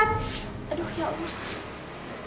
aduh ya allah